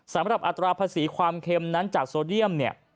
สำหรับอัตราภาษีความเค็มนั่นจากโซเดียม